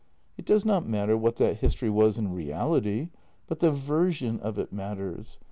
It does not matter what that history was in reality, but the version of it matters.